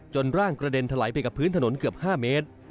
ร่างกระเด็นถลายไปกับพื้นถนนเกือบ๕เมตร